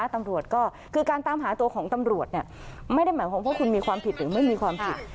ตำรวจก็คือการตามหาตัวของตำรวจไม่ได้หมายความว่าคุณมีความผิดหรือไม่มีความผิด